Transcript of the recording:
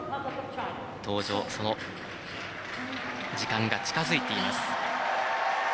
登場の時間が近づいています。